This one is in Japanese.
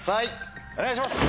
お願いします！